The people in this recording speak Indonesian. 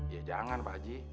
ya jangan pak aji